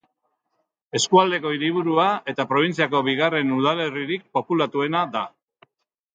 Eskualdeko hiriburua eta probintziako bigarren udalerririk populatuena da.